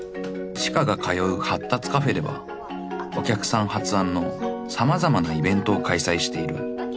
［知花が通う発達カフェではお客さん発案の様々なイベントを開催している］